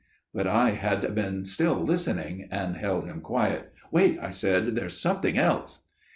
"But I had been still listening, and held him quiet. "'Wait,' I said, 'there is something else.